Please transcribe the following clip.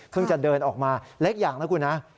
จะเดินออกมาเล็กอย่างนะคุณนะ